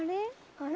あれ？